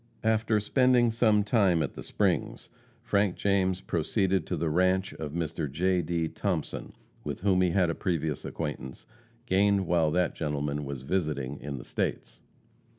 After spending some time at the Springs, Frank James proceeded to the ranche of Mr. J. D. Thompson, with whom he had a previous acquaintance, gained while that gentleman was visiting in the States.